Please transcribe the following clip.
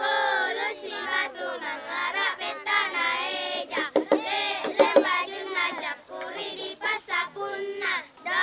kolus si batu mengarah peta naeja